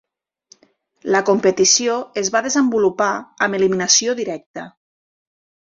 La competició es va desenvolupar amb eliminació directa.